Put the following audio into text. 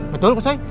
betul pak soi